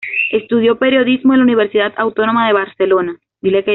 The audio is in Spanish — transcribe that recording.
Estudió periodismo en la Universidad Autónoma de Barcelona.